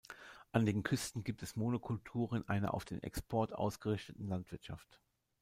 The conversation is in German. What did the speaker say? An den Küsten gibt es Monokulturen einer auf den Export ausgerichteten Landwirtschaft.